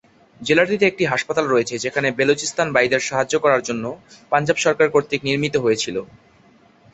জেলাটিতে একটি হাসপাতাল রয়েছে যেখানে বেলুচিস্তান ভাইদের সাহায্য করার জন্য পাঞ্জাব সরকার কর্তৃক নির্মিত হয়েছিল।